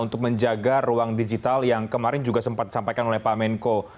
untuk menjaga ruang digital yang kemarin juga sempat disampaikan oleh pak menko